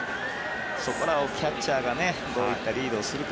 そこらをキャッチャーがどういったリードをするか。